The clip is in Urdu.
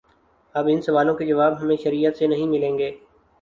اب ان سوالوں کے جواب ہمیں شریعت سے نہیں ملیں گے۔